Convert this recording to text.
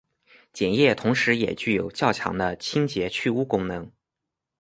碱液同时也具有较强的清洁去污功能。